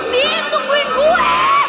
din tungguin gue